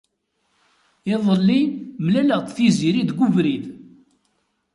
Iḍelli mlaleɣ-d Tiziri deg webrid.